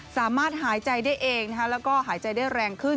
สามารถหายใจได้เองแล้วก็หายใจได้แรงขึ้น